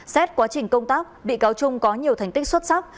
xét quá trình công tác bị cáo trung có nhiều thành tích xuất sắc